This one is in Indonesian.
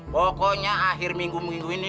pokoknya akhir minggu minggu ini